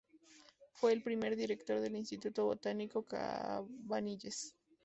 Fue el primer director del Instituto Botánico Cavanilles.